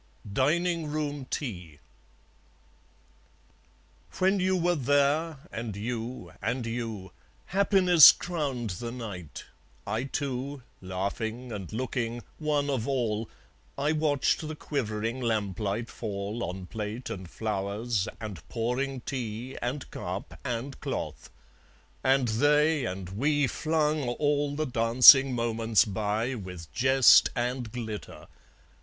Dining Room Tea When you were there, and you, and you, Happiness crowned the night; I too, Laughing and looking, one of all, I watched the quivering lamplight fall On plate and flowers and pouring tea And cup and cloth; and they and we Flung all the dancing moments by With jest and glitter.